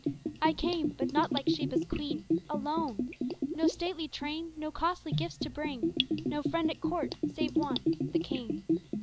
I came (but not like Sheba's queen), alone! No stately train, no costly gifts to bring; No friend at court, save One the King!